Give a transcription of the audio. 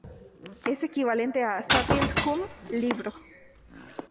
Es equivalente a Sapiens cum libro.